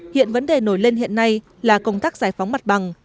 hiện vấn đề nổi lên hiện nay là công tác giải phóng mặt bằng